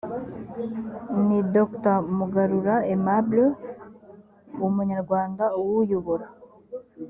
ni dr mugarura aimable umunyarwanda uwuyobora